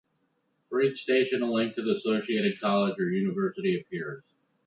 For each station, a link to the associated college or university appears.